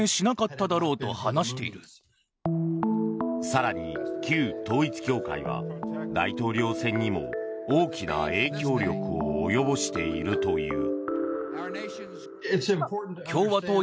更に旧統一教会は大統領選にも大きな影響力を及ぼしているという。